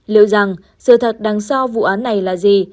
liệu rằng sự thật đằng sau vụ án này là gì